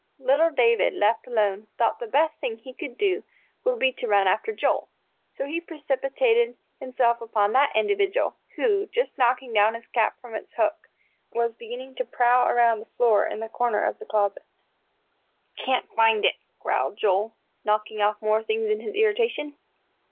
Little David, left alone, thought the best thing he could do would be to run after Joel. So he precipitated himself upon that individual, who, just knocking down his cap from its hook, was beginning to prowl around the floor in the corner of the closet. "Can't find it," growled Joel, knocking off more things in his irritation.